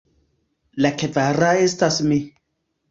La kvara estas mi.